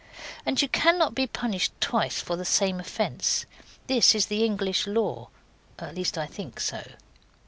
And you cannot be punished twice for the same offence. This is the English law; at least I think so.